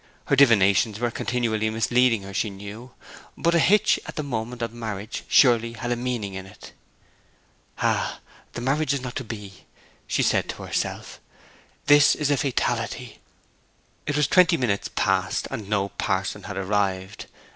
Her divinations were continually misleading her, she knew: but a hitch at the moment of marriage surely had a meaning in it. 'Ah, the marriage is not to be!' she said to herself. 'This is a fatality.' It was twenty minutes past, and no parson had arrived.